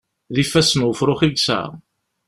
D ifassen n wefṛux i yesɛa.